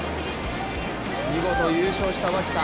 見事、優勝した脇田。